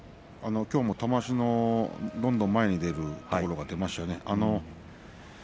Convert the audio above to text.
きょうも玉鷲のどんどん前に出るところが出ましたね。